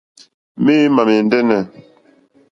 Méǃémà mòndɛ́nɛ̀.